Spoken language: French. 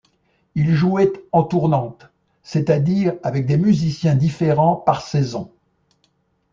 Il jouait en tournante, c'est-à-dire avec des musiciens différents par saisons.